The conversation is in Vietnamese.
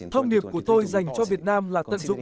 thông điệp của tôi dành cho việt nam là tận dụng